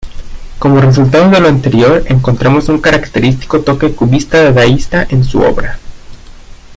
Como resultado de lo anterior encontramos un característico toque cubista-dadaísta en su obra.